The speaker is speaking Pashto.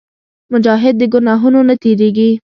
مجاهد د ګناهونو نه تېرېږي.